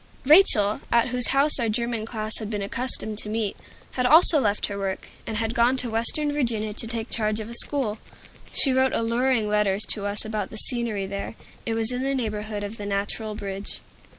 Rachel, at whose house our German class had been accustomed to meet, had also left her work, and had gone to western Virginia to take charge of a school. She wrote alluring letters to us about the scenery there; it was in the neighborhood of the Natural Bridge.